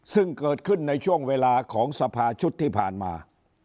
ซึ่งเกิดขึ้นในช่วงเวลาของสภาชุดที่ผ่านมา